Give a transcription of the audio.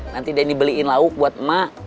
nanti denny beliin lauk buat mak